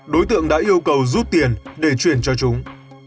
đối tượng đã yêu cầu rút tiền để chuyển cho chúng